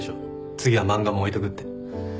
次は漫画も置いとくって。